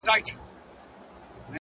خوند كوي دا دوه اشــــنا ـ